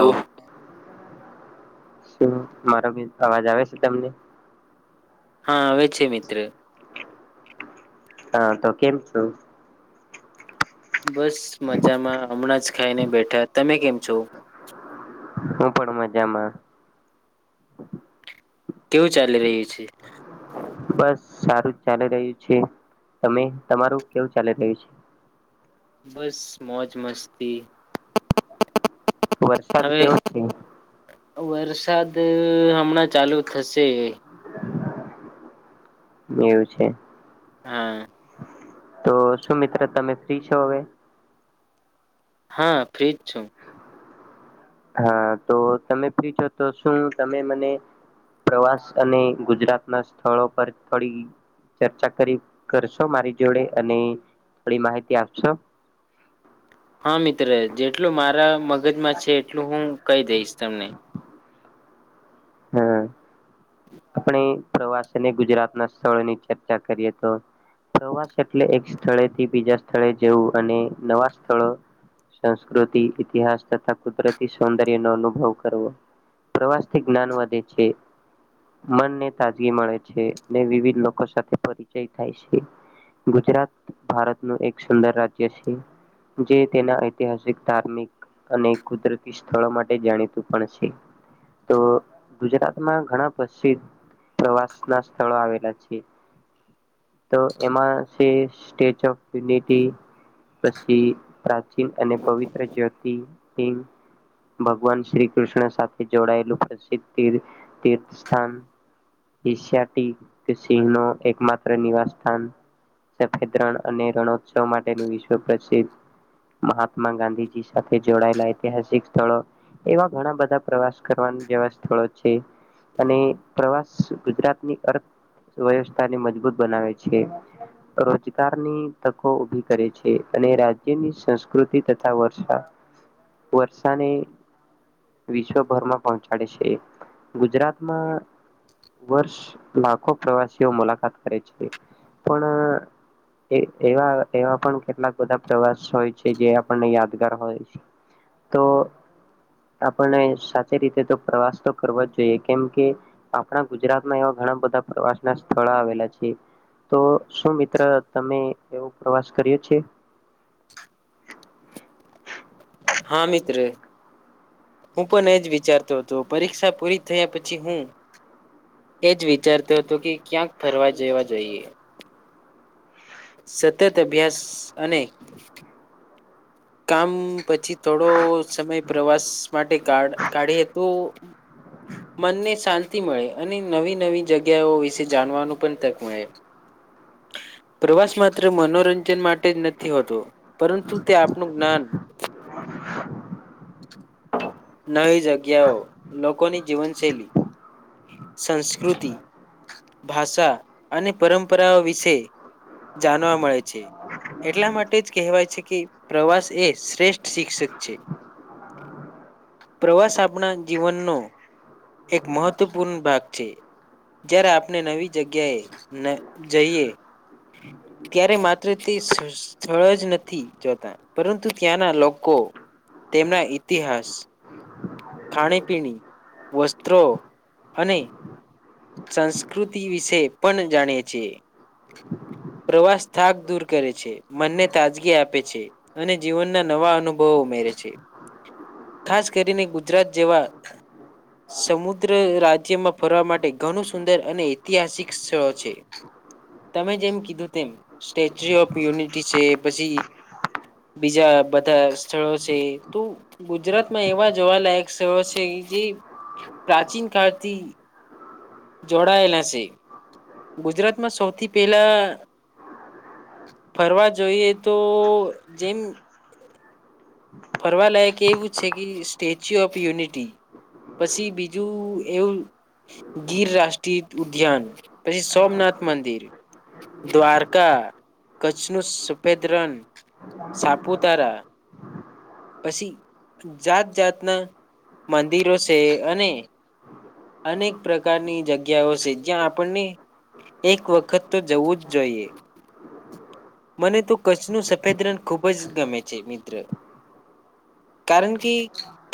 તો શું મારો બી અવાજ આવે છે તમને હા આવેવે છે મિત્ર હા તો કેમ છું? બસ મજામાં હમણાં જ ખાઈને બેઠા, તમે કેમ છો? હુ પડ માંજામાં કેવું ચાલી રહ્યું છે? બસ સારું જ ચાલી રહ્યું છે તમે તમારું કેવું ચાલી રહ્યું છે? બસ મોજ મસ્તી વરસાદ હવે કેવો છે? વરસાદ હમણાં ચાલુ થશે એવું છે. હા તો શું મિત્ર તમે ફ્રી છો હવે? હા ફ્રીજ છું. હા તો તમે ફ્રી છો તો શું તમે મને પ્રવાસ અને ગુજરાતના સ્થળો પર કડી ચર્ચા કરી કરશો મારી જોડે, અને થોડી માહિતી આપશો [inaudible] હા મિત્ર જેટલું મારા મગજમાં છે એટલું હું કહી દઈશ તમને હમ્મ આપણે પ્રવાસ અને ગુજરાત ના સ્થળોની ચર્ચા કરીએ તો પ્રવાસ એટલે એક સ્થળેથી બીજા સ્થળે જવું અને નવા સ્થળો સંસ્કૃતિ ઇતિહાસ તથા કુદરતી સૌંદર્ય ન અનુભવ કરવો, પ્રવાસથી જ્ઞાન વધે છે મનને તાજગી મળે છે, ને વિવિધ લોકો સાથે પરિચય થાય છે. ગુજરાત ભારતનું એક સુંદર રાજ્ય છે. જે તેના ઐતિહાસિક ધાર્મિક અને કુદરતી સ્થળો માટે જાણીતું પણ છે તો ગુજરાતમાં ઘણા પ્રસિ પ્રવાસ ના સ્થળો આવેલા છે. તો એમાં છે સ્ટેચ ઓફ યુનિટી પછી પ્રાચીન અને પવિત્ર જ્યોતિર્લિંગ ભગવાન શ્રી કૃષ્ણ સાથે જોડાયેલું પ્રસિદ્ધ તીર તીર્થ સ્થાન હિશયાટી સિંહ નો એકમાત્ર નિવાસ સ્થાન સફેદ રણ અને રણોત્સવ માટેનું વિશ્વ પ્રસિદ્ધ મહાત્મા ગાંધીજી સાથે જોડાયેલા ઐતિહાસિક સ્થળો એવા ઘણા બધા પ્રવાસ ક પણ જેવા સ્થળો છે. અને પ્રવાસ ગુજરાતની અર્થ વ્યવસ્થાને મજબૂત બનાવે છે. રોજગારની તકો ઉભી કરે છે અને રાજ્યની સંસ્કૃતિ તથા વર્ષા વર્ષાને વિશ્વભરમાં પહોંચાડે છે, ગુજરાતમાં વર્ષ લાખો પ્રવાસીઓ મુલાકાત કરે છે, પણ એ એવા એવા પણ કેટલાક બધા પ્રવાસ હોય છે જે આપણને યાદગાર હોય છ તો આપને સા ચી રીતે પ્રવાસ તો કરવા જ જોઈએ કેમ કે આપણા ગુજરાતમાં એવા ઘણા બધા પ્રવાસના સ્થળ આવેલા છે, તો શું મિત્ર તમે એવો પ્રવાસ કર્યો છે? હા, મિત્ર. હું પન એજ વિચારતો હતો પરીક્ષા પૂરી થયા પછી હું એજ વિચારતો તો કે ક્યાંક ફરવા જવા જઈએ સતત અભ્યાસ અને કામ પછી થોડો સમય પ્રવાસ માટે કાઢ કાઢીએ તો મનને શાંતિ મળે અને નવી નવી જગ્યાઓ વિશે જાણવાનું પન તક મળે [inaudible] પ્રવાસ માત્ર મનોરંજન માટે જ નથી હોતો, પરંતુ તે આપનુ જ્ઞાન [inaudible] નવી જગ્યાઓ લોકોની જીવનશૈલી સંસ્કૃતિ, ભાષા અને પરંપરાઓ વિશે જાનવા મળે છે. એટલા માટે જ કહેવાય છે કે પ્રવાસ એ શ્રેષ્ઠ શિક્ષક છે. પ્રવાસ આપણા જીવનનો એક મહ તપૂન ભાગ છે જયારે આપને નવી જગ્યાએ ન જઈએ [inaudible] ત્યારે માત્ર તે સ સ્થળ જ નથી જોતા પરંતુ ત્યાંના લોકો તેમના ઇતિહાસ ખાણીપીણી વસ્ત્રો અને સંસ્કૃતિ વિશે પન જાણે છે. [inaudible] પ્રવાસ થાક દૂર કરે છે, મનને તાજગી આપે છે અને જીવનના નવા અનુભવો ઉમે રે છે, ખાસ કરીને ગુજરાત જેવા સમુદ્ર રાજ્યમાં ફરવા માટે ઘણું સુંદર અને ઐતિહાસિક સઓ છે. તમે જેમ કીધું તેમ સ્ટેચ્યુ ઓફ યુનિટી છે, પસી બીજા બધા સ્થળો છે, તો ગુજરાતમાં એવા જોવાલાયક સ્થઓ છે. જે પ્રાચીન કાળથી જોડાયેલા સે, ગુજરાતમાં સૌથી પહેલા ફરવા જોઈએ તો જેમ ફરવાલાયક એવું છે કે સ્ટેચ્યુ ઓફ યુનિટી પસી બીજું એવું ગીર રાષ્ટ્રીય ઉદ્યાન પસી સોમનાથ મંદિર દ્વારકા, કચ્છનું સફેદ રન સાપુતારા પસી જાત જાતના મંદિરો સે અને અનેક પ્રકારની જગ્યાઓ સે, જ્યાં આપણને એક વખત તો જવું જ જોઈએ. મને તો કચ્છનુ સફેદ રન ખુબ જ ગમે છે મિત્ર. કારન કે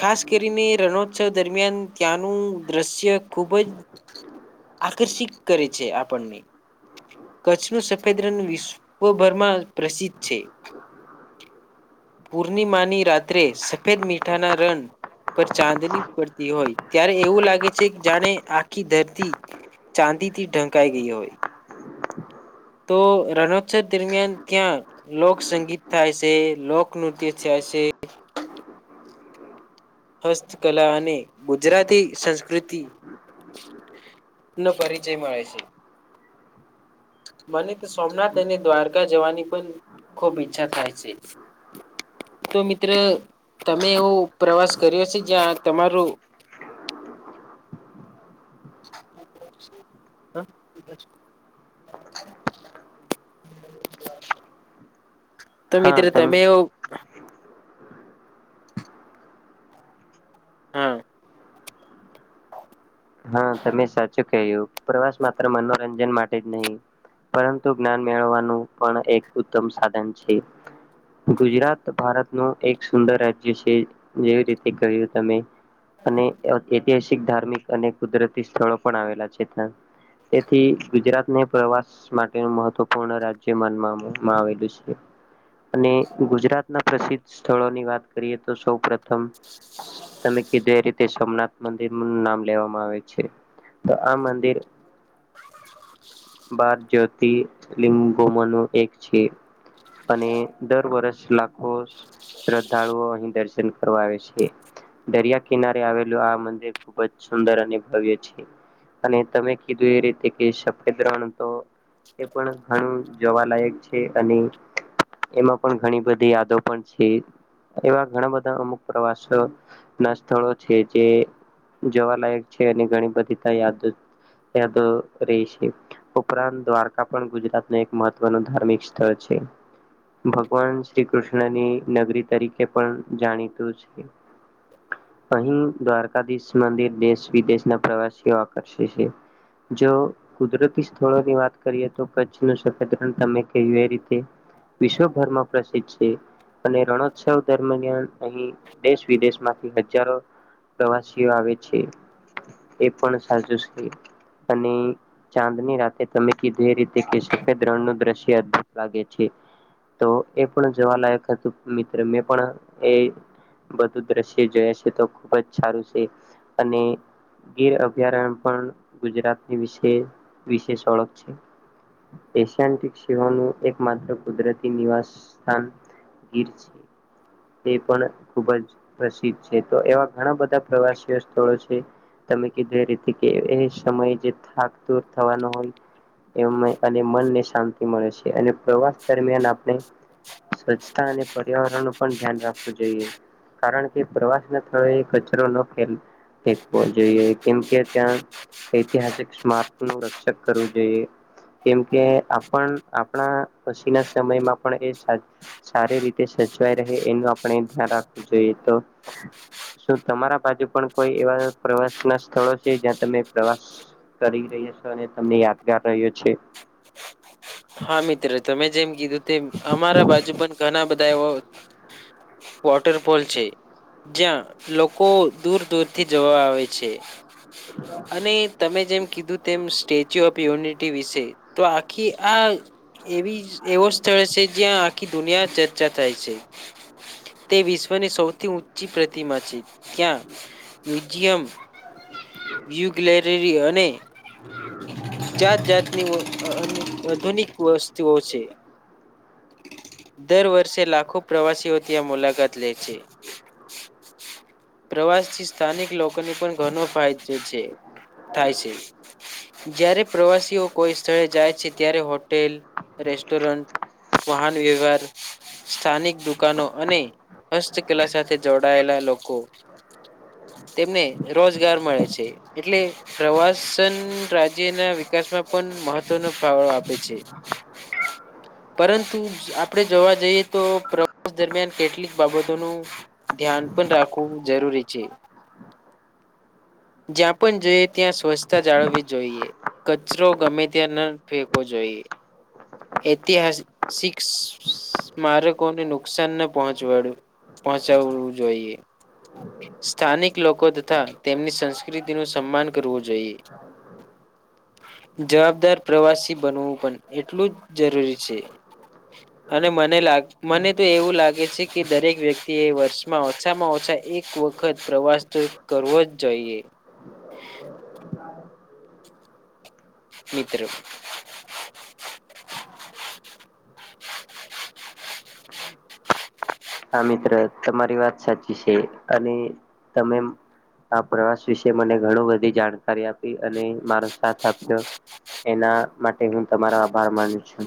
ખાસ કરીને રનોત્સવ દરમિયાન ત્યાંનું દ્રશ્ય ખુબ બો જ આકર્ષિત કરે છે આપણને. કચ્છનું સફેદ રન વિશ્વભરમાં પ્રસિદ્ધ છે. પૂર્નિમાની રાત્રે સફેદ મીઠાના રન પર ચાંદની પડતી હોય, ત્યારે એવું લાગે છે કે જાણે આખી ધરતી ચાંદીથી ઢંકાઈ ગઈ હોય તો રણોત્સવ દરમિયાન ત્યાં લોક સંગીત થાય સે લોકનુત્ય થાય સે. હસ્તકલા અને ગુજરાતી સંસ્કૃતિ નો પરિચય મળે છે. મને તો સોમનાથ અને દ્વારકા જવાની પણ ખૂબ ઈચ્છા થાય છે. તો મિત્ર તમે એવો પ્રવાસ કર્યો છે જ્યાં તમારું [unintelligible] ત હા મિત્રો તમ તમે ઓ હા. હા તમે સાચું ક્યું પ્રવાસ માત્ર મનોરંજન માટે જ નહી પરંતુ જ્ઞાન મેળવવાનું પણ એક ઉત્તમ સાધન છે. ગુજરાત ભારત નુ એક સુંદર રાજ્ય છે જેવી રીતે કહ્યું તમે. અને અ ઐતિહાસિક ધાર્મિક અને કુદરતી સ્થળો પણ આવેલા છે. તેથી ગુજરાતને પ્રવાસ માટેનું મહત્વપૂર્ણ રાજ્ય માનવામ માં આવેલું છે. અને ગુજરાતના પ્રસિદ્ધ સ્થળોની વાત કરીએ તો સૌ પ્રથમ તમે કીધું એ રીતે સોમનાથ મંદિર નુ નામ લેવામાં આવે છે તો આ મંદિર બાર જ્યોતિ લિબોમનો એક છે. અને દર વરસ લાખો શ્રદ્ધાળુઓ અહી દર્શન કરવા આવે છે દરિયા કિનારે આવેલું આ મંદિર ખૂબ જ સુંદર અને ભવ્ય છે અને તમે કીધું એ રીતે કે સફેદ રણ તો એ પણ ઘણું જોવાલાયક છે. અને એમાં પણ ઘણી બધી યાદો પણ છે. એવા ઘણા બધા અમુક પ્રવાસ ન ના સ્થળો છે જે જોવાલાયક છે અને ઘણી બધી ત યાદ યાદો રેય છે. ઉપરાંત દ્વારકા પણ ગુજરાતનું એક મહત્વનું ધાર્મિક સ્થળ છે. ભગવાન શ્રી કૃષ્ણની નગરી તરીકે પણ જાણીતું છે. અહીં દ્વારકાધીશ મંદિર દેશ વિદેશના પ્રવાસીઓ આકર્ષે છે. જો કુદરતી સ્થળોની વાત કરીએ તો કચ્છનું સફેદ રણ તમે કહ્યું એ રીતે વિશ્વભરમાં પ્રસિદ્ધ છે. અને રણોત્સવ દરમિયાન અહીં દેશ વિદેશમાંથી હજારો પ્રવાસી ઓ આવે છે એ પણ સાચું છે અને ચાંદની રાતે તમે કીધુ એ રીતે કે સફેદ રણ નું દ્રશ્ય અદભુત લાગે છે. તો એ પણ જોવાલાયક હતું મિત્ર મેં પણ એ બધું દ્રશ્ય જોયા છે તો ખૂબ જ સારું છે. અને ગીર અભયારણ્ય પણ ગુજરાતની વિશે વિશેષ ઓળખ છે. એશિયાન્ટિક સિંહોનું એક માત્ર કુદરતી નિવાસ સ્થાન ગીર તે પણ ખુબ જ પ્રસિદ્ધ છે તો એવા ઘણા બધા પ્રવાસીઓ સ્થળો છે. તમે કીધું એ રીતે કે એ સમયે જે થાક દૂર થવાનો હોય એમ અને મનને શાંતિ મળે છે અને પ્રવાસ દરમિયાન આપણે સ્વચ્છતા અને પર્યાવરણ નું પણ ધ્યાન રાખવું જોઈએ. કારણ કે પ્રવાસના સ્થળો એક જ [unintelligible] ન ફેંક ફેંકવો જોઈએ કેમ કે ત્યાં ઐતિહાસિક સ્મારક નું રક્ષક કરવું જોઈએ. કેમ કે આપણ આપણા પછીના સમયમાં પણ એ સા સારી રીતે સચવાય રહે એનું આપણે ધ્યાન રાખવું જોઈએ તો શું તમારા બાજુ પણ કોઈ એવા પ્રવાસના સ્થળો છે જ્યાં તમે પ્રવાસ કરી રહ્યા છો અને તમને યાદગાર રહ્યો છે. હા મિત્ર, તમે જેમ કીધું તેમ અમારા બાજુ પણ ઘણા બધા એ વોટર ફોલ છે. જ્યાં લોકો દૂર દૂરથી જવા આવે છે. અને તમે જેમ કીધું તેમ સ્ટેચ્યુ ઓફ યુનિટી વિશે તો આખી આ એવી એવો સ્થળ છે જ્યાં આખી દુનિયા ચર્ચા થાય છે. તે વિશ્વની સૌથી ઊંચી પ્રતિમા છે ત્યાં મ્યુઝિયમ, વ્યુગ્લેલરીરી અને જાત જાતની અધુનિક વસ્તુઓ છે. દર વર્ષે લાખો પ્રવાસીઓ ત્યા મુલાકાત લે છે. પ્રવાસથી સ્થાનિક લોકોને પણ ઘણો ફાયદો છે. થાય છે. જ્યારે પ્રવાસીઓ કોઈ સ્થળે જાય છે ત્યારે હોટેલ, રેસ્ટોરન્ટ વાહનવ્યવહાર સ્થાનિક દુકાનો અને હસ્તકલા સાથે જોડાયેલા લોકો [inaudible] તેમને રોજગાર મળે છે એટલે પ્રવાસન રાજ્યના વિકાસમાં પણ મહત્વનો ફાળો આપે છે. [inaudible] પરંતુ આપડે જોવા જઈએ તો પ્ર [unintelligible] દરમિયાન કેટલીક બાબતોનું ધ્યાન પણ રાખવું જરૂરી છે. જ્યાં પણ જઈએ ત્યાં સ્વચ્છતા જાળવી જોઈએ કચરો ગમે ત્યાં ન ફેંકોવો જોઈએ. [unintelligible] ઐતિહાસિક સ્મારકોને નુકસાન ન પહોંચવડવુ પહોંચાવું જોઈએ. સ્થાનિક લોકો તથા તેમની સંસ્કૃતિનું સન્માન કરવું જોઈએ. [inaudible] જવાબદાર પ્રવાસી બનવું પણ એટલું જ જરૂરી છે. અને મને લાગે મને તો એવું લાગે છે કે દરેક વ્યક્તિએ વર્ષમાં ઓછામાં ઓછા એક વખત પ્રવાસ તો કરવો જ જોઈએ. [inaudible] મિત્ર. [inaudible] હા મિત્ર તમારી વાત સાચી છે અને તમે આ પ્રવાસ વિશે મને ઘણું બધી જાણકારી આપી. અને મારો સાથ આપ્યો એના માટે હું તમારો આભાર માનું છું.